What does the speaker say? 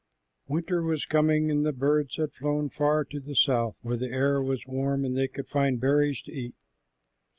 Winter was coming, and the birds had flown far to the south, where the air was warm and they could find berries to eat.